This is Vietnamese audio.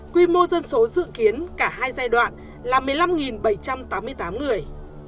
quy mô dân số dự kiến cả hai giai đoạn là một mươi năm bảy trăm tám mươi tám người